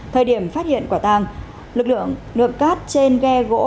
thời điểm phát hiện quả tang lực lượng lượm cát trên ghe gỗ